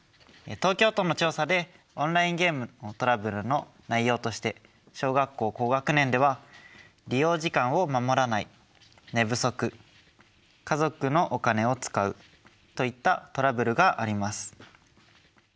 東京都の調査でオンラインゲームのトラブルの内容として小学校高学年では利用時間を守らない寝不足家族のお金を使うといったトラブルがあります。